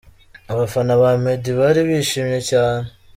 Abafana ba Meddy bari bishimye cyane.